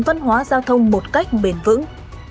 văn hóa giao thông một cách bền vững